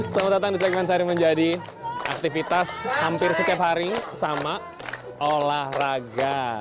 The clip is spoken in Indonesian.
selamat datang di segmen sehari menjadi aktivitas hampir setiap hari sama olahraga